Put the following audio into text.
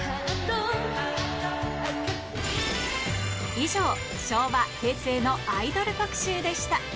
以上、昭和、平成のアイドル特集でした。